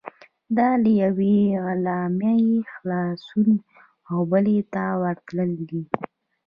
دا له یوې غلامۍ خلاصون او بلې ته ورتلل دي.